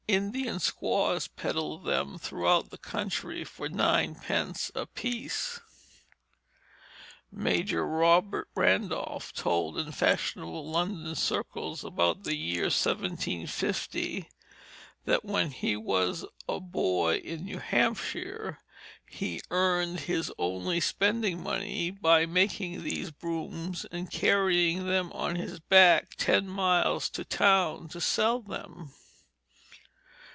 Indian squaws peddled them throughout the country for ninepence apiece. Major Robert Randolph told in fashionable London circles about the year 1750, that when he was a boy in New Hampshire he earned his only spending money by making these brooms and carrying them on his back ten miles to town to sell them.